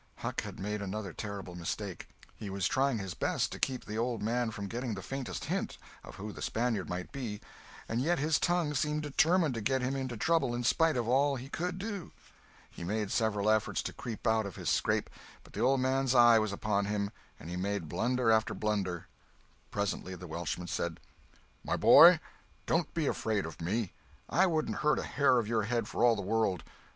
Huck had made another terrible mistake! He was trying his best to keep the old man from getting the faintest hint of who the Spaniard might be, and yet his tongue seemed determined to get him into trouble in spite of all he could do. He made several efforts to creep out of his scrape, but the old man's eye was upon him and he made blunder after blunder. Presently the Welshman said: "My boy, don't be afraid of me. I wouldn't hurt a hair of your head for all the world.